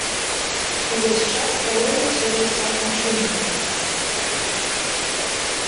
Увесь час павольна сочыцца ачуньванне.